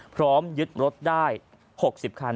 พร้อมยึดรถได้๖๐คัน